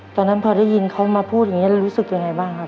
ตอนนั้นพอได้ยินเขามาพูดอย่างนี้เรารู้สึกยังไงบ้างครับ